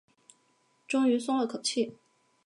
终于松了口气